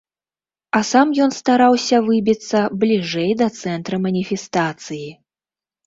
А сам ён стараўся выбіцца бліжэй да цэнтра маніфестацыі.